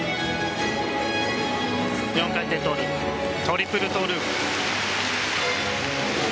４回転トゥループトリプルトゥループ。